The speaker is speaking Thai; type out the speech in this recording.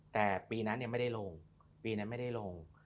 แต่ปีนั้นไม่ได้ลงปีนั้นไม่ได้ลง